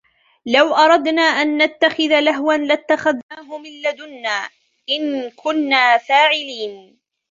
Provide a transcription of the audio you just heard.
لو أردنا أن نتخذ لهوا لاتخذناه من لدنا إن كنا فاعلين